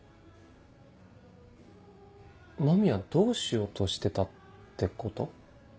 麻美はどうしようとしてたってこと？